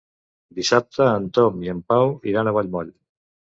Dissabte en Tom i en Pau iran a Vallmoll.